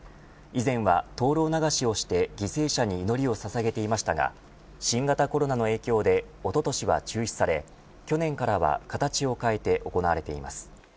以前は灯籠流しをして犠牲者に祈りをささげていましたが新型コロナの影響でおととしは中止され去年からは形を変えて行われています。